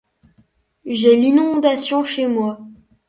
J’ai l’inondation chez moi.